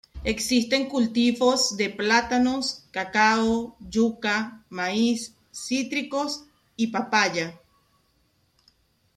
Existen cultivos de plátanos, cacao, yuca, maíz, cítricos y papaya.